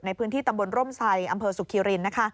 ในพื้นที่ตำบลร่มทรายอำเภอสุขีริน